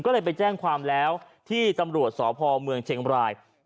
ก็เลยไปแจ้งความแล้วที่ตำรวจสพเมืองเชียงบราย